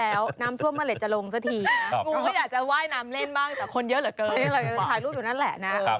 เออก็แบ่งปันกันไป